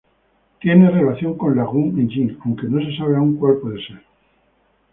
Tiene relación con Lagoon Engine aunque no se sabe aún cual puede ser.